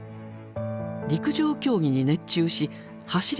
陸上競技に熱中し走り